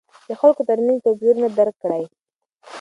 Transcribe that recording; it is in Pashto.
د خلکو ترمنځ توپیرونه درک کړئ.